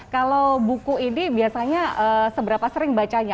kalau buku ini biasanya seberapa sering bacanya